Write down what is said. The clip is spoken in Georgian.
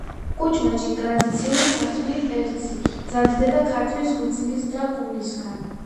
კუჭმაჭი ტრადიციული ქართული კერძი. მზადდება ქათმის ღვიძლის და გულისგან.